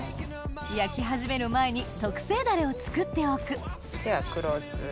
焼き始める前に特製だれを作っておくでは黒酢。